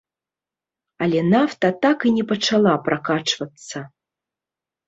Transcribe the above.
Але нафта так і не пачала пракачвацца.